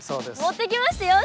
持ってきましたよ。